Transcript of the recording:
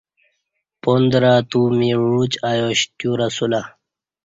پاندرہ ا تومی عوچ ایاش تیو رسولہ